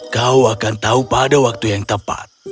kau akan tahu pada waktu yang tepat